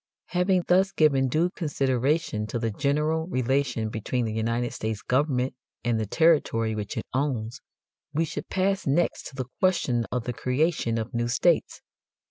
Having thus given due consideration to the general relation between the United States government and the territory which it owns, we should pass next to the question of the creation of new states.